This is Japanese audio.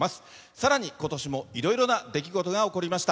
さらに今年もいろいろな出来事が起こりました。